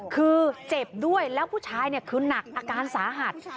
คือเจ็บด้วยแล้วผู้ชายคือหนักอาการสาหัส